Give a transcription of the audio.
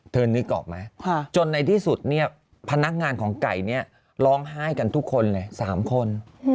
นึกออกไหมจนในที่สุดเนี่ยพนักงานของไก่เนี่ยร้องไห้กันทุกคนเลย๓คน